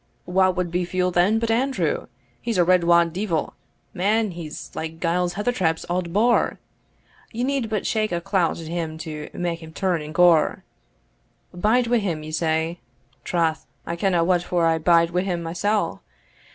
Wha wad be fule then but Andrew? He's a red wad deevil, man He's like Giles Heathertap's auld boar; ye need but shake a clout at him to make him turn and gore. Bide wi' him, say ye? Troth, I kenna what for I bide wi' him mysell.